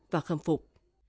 và khâm phục